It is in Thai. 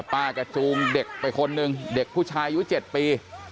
ป้าก็จูงเด็กไปคนหนึ่งเด็กผู้ชายอายุ๗ปี